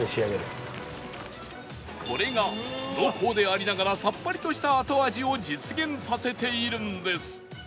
これが濃厚でありながらさっぱりとした後味を実現させているんです